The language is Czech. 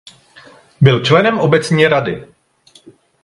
Byl členem obecní rady.